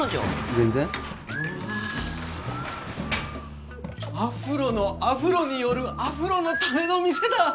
全然うわアフロのアフロによるアフロのための店だ